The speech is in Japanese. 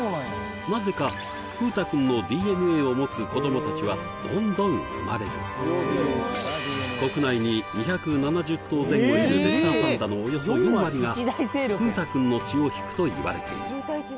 なぜか風太君のＤＮＡを持つ子供達はどんどん生まれる国内に２７０頭前後いるレッサーパンダのおよそ４割が風太君の血を引くといわれている